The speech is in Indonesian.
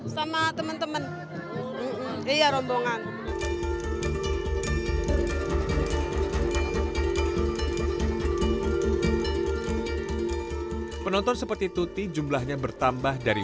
sama teman teman iya rombongan penonton seperti tuti jumlahnya bertambah dari